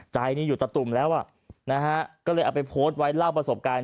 ใจนี่อยู่ตะตุ่มแล้วอ่ะนะฮะก็เลยเอาไปโพสต์ไว้เล่าประสบการณ์